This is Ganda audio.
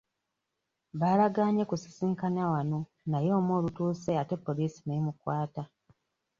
Baalagaanye kusisinkana wano naye omu olutuuse ate poliisi n'emukwata.